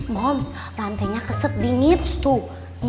moms rantainya keset bingits tuh